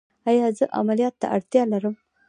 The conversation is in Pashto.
ایا زه عملیات ته اړتیا لرم؟